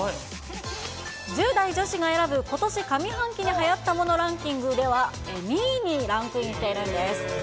１０代女子が選ぶことし上半期にはやったものランキングでは、２位にランクインしているんです。